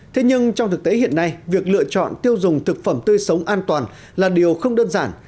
thế nhưng trong thực tế hiện nay việc lựa chọn tiêu dùng thực phẩm tươi sống an toàn là điều không đơn giản